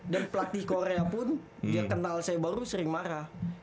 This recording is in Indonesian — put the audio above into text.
dan pelatih korea pun dia kenal saya baru sering marah